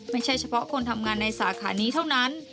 ไม่ใช่เฉพาะคนทำงานในสาขานี้เท่านั้น